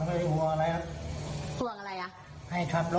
อ่าหมาแก่